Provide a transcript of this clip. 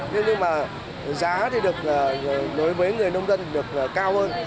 nhưng mà giá được đối với người nông dân được cao hơn